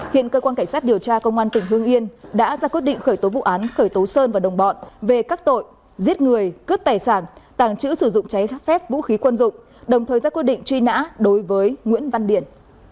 hiện cơ quan cảnh sát điều tra công an tỉnh hương yên đã ra quyết định khởi tố vụ án khởi tố sơn và đồng bọn về các tội giết người cướp tài sản tàng trữ sử dụng cháy phép vũ khí quân dụng đồng thời ra quyết định truy nã đối với nguyễn văn điển